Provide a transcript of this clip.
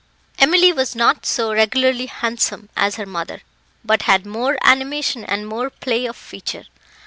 Emily was not so regularly handsome as her mother, but had more animation and more play of feature.